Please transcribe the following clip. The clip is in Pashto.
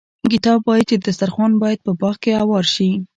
کتاب وايي چې دسترخوان باید په باغ کې اوار شي.